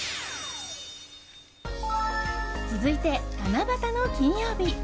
続いて七夕の金曜日。